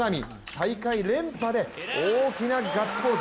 大会連覇で、大きなガッツポーズ。